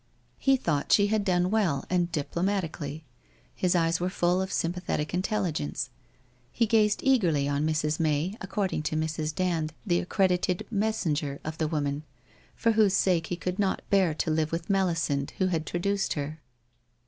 He thought she had done well and diplo matically. His eyes were full of sympathetic intelligence. He gazed eagerly on Mrs. May, according to Mrs. Dand, the accredited messenger of the woman for whose sake he could not bear to live with Melisande who had traduced her.